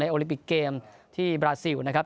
โอลิปิกเกมที่บราซิลนะครับ